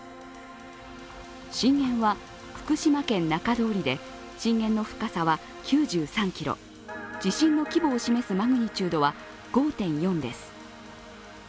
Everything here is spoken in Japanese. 震源は福島県中通りで、震源の深さは９３ｋｍ、地震の規模を示すマグニチュードは５．４です。